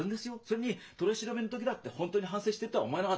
それに取り調べの時だって本当に反省してっとは思えながった。